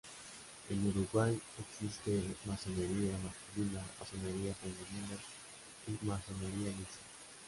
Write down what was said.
En Uruguay, existe masonería masculina, masonería femenina y masonería mixta.